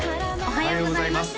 おはようございます